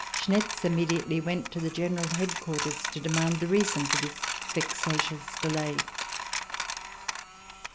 Schnetz immediately went to the general headquarters to demand the reason for this vexatious delay.